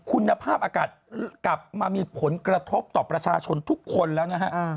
คุณภาพอากาศกลับมามีผลกระทบต่อประชาชนทุกคนแล้วนะฮะ